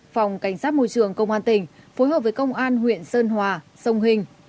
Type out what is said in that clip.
phòng cảnh sát môi trường công an tỉnh phối hợp với công an huyện sơn hòa sông hình